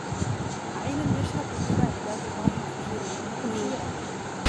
عينا يشرب بها عباد الله يفجرونها تفجيرا